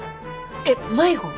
えっ迷子？